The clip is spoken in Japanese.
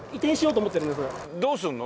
どうするの？